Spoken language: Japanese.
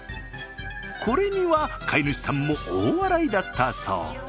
これには飼い主さんも大笑いだったそう。